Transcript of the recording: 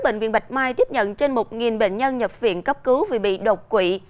bệnh viện bạch mai tiếp nhận trên một bệnh nhân nhập viện cấp cứu vì bị độc quỷ